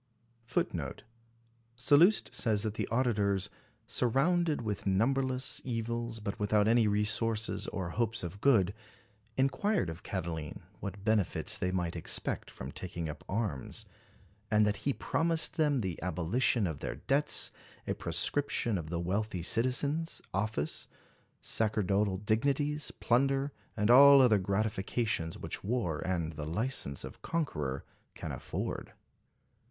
*> Sallust says that the auditors '* surrounded with numberless evils, but without any resources or hopes of good," inquired of Catiline what benefits they might expect from taking up arms and that he '' promised them abolition of their debts, a proscription of the wealthy citizens, ofllce, sacerdotal dignities, plunder, and all other gratifications which war, and the license of conqueror can afford."